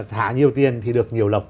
thả nhiều tiền thì được nhiều lộc